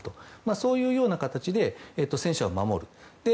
そういうような形で戦車を守る。